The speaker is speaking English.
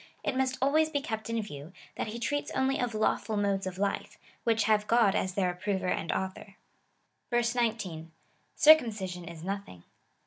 It must always be kept in view, that he treats only of lawful modes of life, which have God as their approver and author. / 19. Circumcision is nothing.